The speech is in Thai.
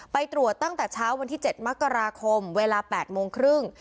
ไปตรวจตั้งแต่เช้าวันที่๗มกราคมเวลา๘โมงครึ่ง